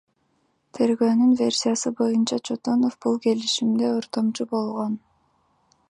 Тергөөнүн версиясы боюнча, Чотонов бул келишимде ортомчу болгон.